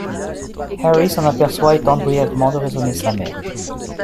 Harry s'en aperçoit et tente brièvement de raisonner sa mère.